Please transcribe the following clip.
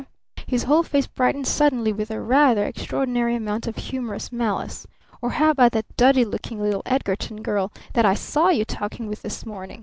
His whole face brightened suddenly with a rather extraordinary amount of humorous malice: "Or how about that duddy looking little Edgarton girl that I saw you talking with this morning?"